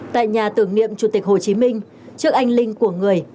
tại nhà tưởng niệm chủ tịch hồ chí minh trước anh linh của người